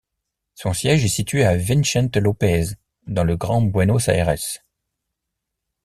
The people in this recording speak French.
Son siège est situé à Vicente López dans le Grand Buenos Aires.